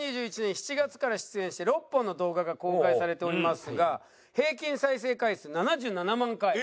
２０２１年７月から出演して６本の動画が公開されておりますが平均再生回数７７万回。